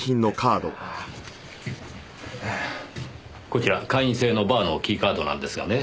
こちら会員制のバーのキーカードなんですがね